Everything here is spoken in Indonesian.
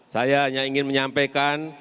saya hanya ingin menyampaikan